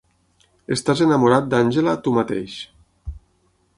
Estàs enamorat d'Angela tu mateix.